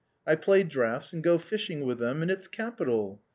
I play draughts and go fishing with them — and it's capital